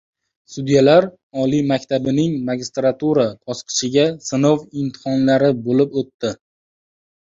Sudyalar oliy maktabining magistratura bosqichiga sinov imtihonlari bo‘lib o‘tdi